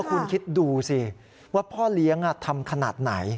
คุณคิดดูสิว่าพ่อเลี้ยงทำขนาดไหน